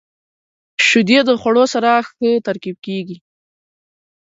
• شیدې د خوړو سره ښه ترکیب کیږي.